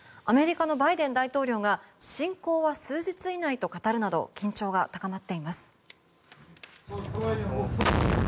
アメリカのバイデン大統領が侵攻は数日以内と語るなど緊張が高まっています。